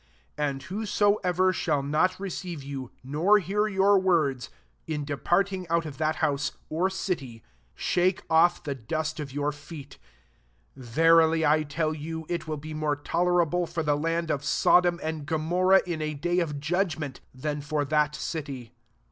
10 And whosoever shall not re ceive you, nor hear your words, in departing out of that house, or city, shake off the dust of your feet. 15 Verily I tell you, It will be more tolerable for the land of Sodom and Gomorrah in a day of judgment, than for that city.